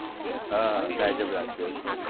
うん大丈夫だったよっつって。